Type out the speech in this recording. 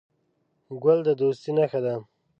ګل د دوستۍ نښه ده.